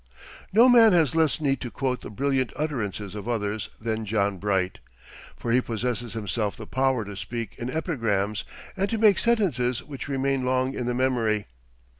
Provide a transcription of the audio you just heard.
No man has less need to quote the brilliant utterances of others than John Bright; for he possesses himself the power to speak in epigrams, and to make sentences which remain long in the memory.